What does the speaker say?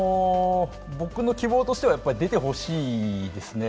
僕の希望としては出てほしいですね。